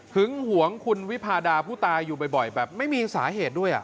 หวงคุณวิพาดาผู้ตายอยู่บ่อยแบบไม่มีสาเหตุด้วย